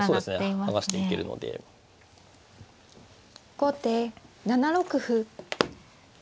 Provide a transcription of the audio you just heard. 後手７六歩。